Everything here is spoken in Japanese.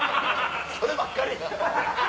そればっかりや。